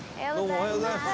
おはようございます。